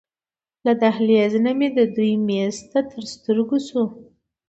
له دهلېز نه مې د دوی میز تر سترګو شو.